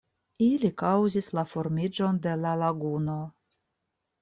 Ili kaŭzis la formiĝon de la laguno.